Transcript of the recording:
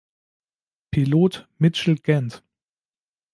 Pilot Mitchell Gant